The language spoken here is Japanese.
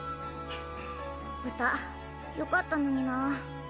歌よかったのにな。